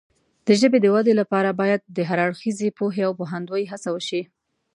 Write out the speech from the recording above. د ژبې د وده لپاره باید د هر اړخیزې پوهې او پوهاندۍ هڅه وشي.